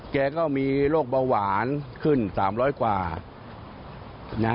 แกก็มีโรคเบาหวานขึ้น๓๐๐กว่านะ